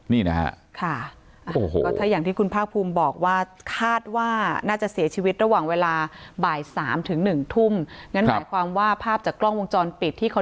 นี่นะฮะค่ะโอ้โห